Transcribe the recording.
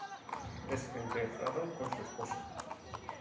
Es enterrado con su esposa.